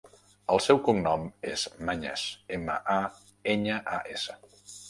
El seu cognom és Mañas: ema, a, enya, a, essa.